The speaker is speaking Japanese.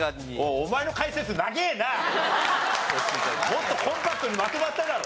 もっとコンパクトにまとまっただろ。